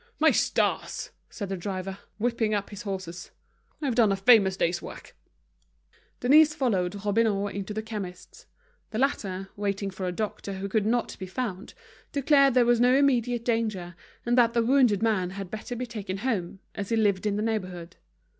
"My stars!" said the driver, whipping up his horses, "I've done a famous day's work." Denise followed Robineau into the chemist's. The latter, waiting for a doctor who could not be found, declared there was no immediate danger, and that the wounded man had better be taken home, as he lived in the neighborhood.